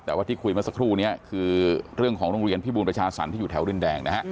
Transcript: แต่ว่าที่คุยเมื่อสักครู่นี้คือเรื่องของโรงเรียนพิบูรประชาสรรคที่อยู่แถวดินแดงนะฮะ